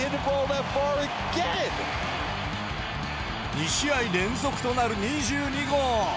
２試合連続となる２２号。